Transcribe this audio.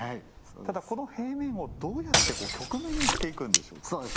ただ、この平面をどうやって曲面にしていくんでしょうか？